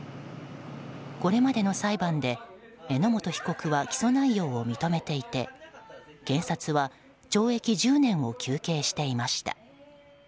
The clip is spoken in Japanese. これまでの裁判で榎本被告は起訴内容を認めていて検察は懲役１０年を求刑していました。